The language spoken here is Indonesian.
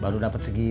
baru dapet segini